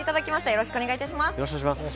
よろしくお願いします。